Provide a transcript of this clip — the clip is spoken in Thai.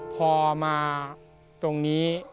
พอมาตรงนี้